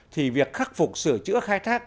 thì việc khắc phục sửa chữa khai thác